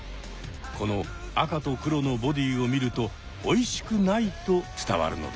この赤と黒のボディーを見るとおいしくないと伝わるのだ。